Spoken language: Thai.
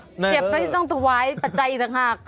เจ็บก็ต้องถวายปัจจัยต่างหาก